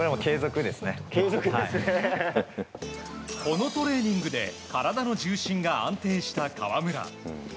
このトレーニングで体の重心が安定した川村。